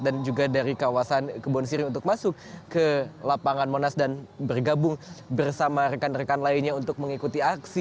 dan juga dari kawasan kebon siri untuk masuk ke lapangan monas dan bergabung bersama rekan rekan lainnya untuk mengikuti aksi